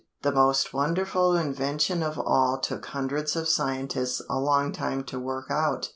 The most wonderful invention of all took hundreds of scientists a long time to work out.